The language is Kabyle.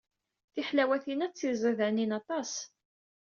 Tiḥelwatin-a d tiẓidanin aṭas.